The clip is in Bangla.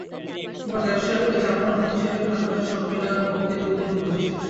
আবার ব্যবসায়ের ঐ চামড়া-বাঁধানো হিসেবের খাতাটা শর্মিলার পক্ষে দুর্গম দুর্গবিশেষ।